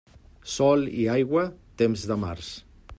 Sol i aigua, temps de març.